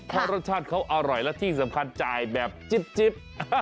เพราะรสชาติเขาอร่อยและที่สำคัญจ่ายแบบจิ๊บ